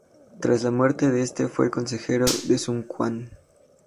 Tras las la muerte de este fue el consejero de Sun Quan.